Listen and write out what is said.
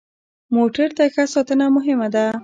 موټر ته ښه ساتنه مهمه ده.